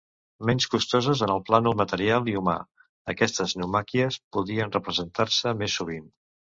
Menys costoses en el plànol material i humà, aquestes naumàquies podien representar-se més sovint.